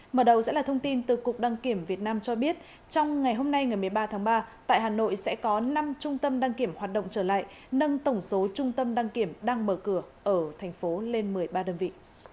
mở đầu sẽ là thông tin từ cục đăng kiểm việt nam cho biết trong ngày hôm nay ngày một mươi ba tháng ba tại hà nội sẽ có năm trung tâm đăng kiểm hoạt động trở lại nâng tổng số trung tâm đăng kiểm đang mở cửa ở thành phố lên một mươi ba đơn vị